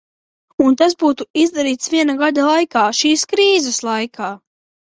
Un tas būs izdarīts viena gada laikā, šīs krīzes laikā!